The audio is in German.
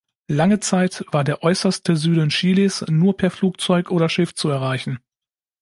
Lange Zeit war der äußerste Süden Chiles nur per Flugzeug oder Schiff zu erreichen.